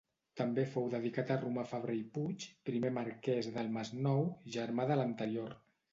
També fou dedicat a Romà Fabra i Puig, primer marquès del Masnou, germà de l'anterior.